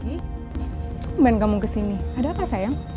tunggu main kamu kesini ada apa sayang